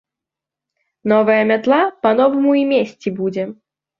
Новая мятла па-новаму і месці будзе.